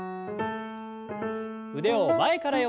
腕を前から横に。